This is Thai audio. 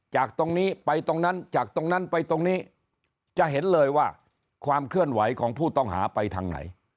จากตรงนี้ไปตรงนั้นจากตรงนั้นไปตรงนี้จะเห็นเลยว่าความเคลื่อนไหวของผู้ต้องหาไปทางไหน